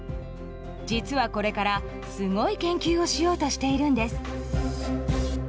実はこれから、すごい研究をしようとしているんです。